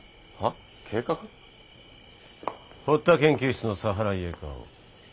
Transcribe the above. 堀田研究室のサハライエカを盗みに行くぞ。